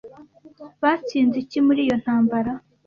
batsinze iki muri iyo ntambara